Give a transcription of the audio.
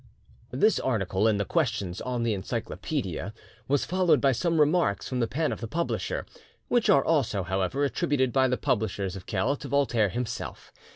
This article in the 'Questions on the Encyclopaedia' was followed by some remarks from the pen of the publisher, which are also, however, attributed by the publishers of Kelh to Voltaire himself.